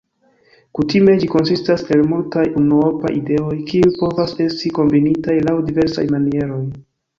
Kutime ĝi konsistas el multaj unuopaj ideoj, kiuj povas esti kombinitaj laŭ diversaj manieroj.